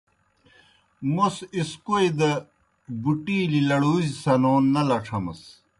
موْس اِسکوئی دہ بُٹِیلیْ لَڑُوزیْ سنون نہ لڇھمَس۔